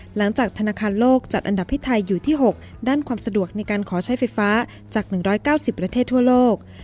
หลังจากธนาคารโลกจัดอันดับที่ไทยอยู่ที่๖ด้านความสะดวกในการขอใช้ไฟฟ้าจาก๑๙๐ประเทศทั่วโลก